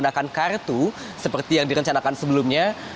jadi kami belum menggunakan kartu seperti yang direncanakan sebelumnya